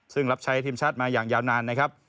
ซึ่งรับใช้ทีมชาติมาอย่างยาวนานนะครับ